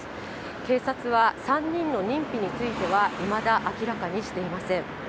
警察は３人の認否についてはいまだ明らかにしていません。